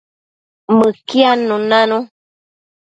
Mëquiadnun nanu